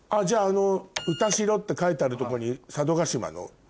「雅楽代」って書いてあるとこに佐渡島の。